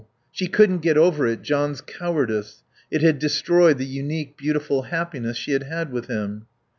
She couldn't get over it, John's cowardice. It had destroyed the unique, beautiful happiness she had had with him.